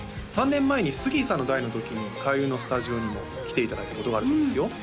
３年前にスギーさんの代のときに開運のスタジオにも来ていただいたことがあるそうですよ